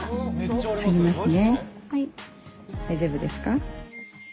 大丈夫ですか？